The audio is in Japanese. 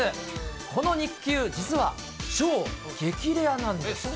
この肉球、実は超激レアなんです。